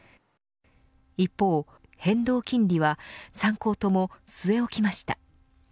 一方、変動金利は３行とも据え置きました。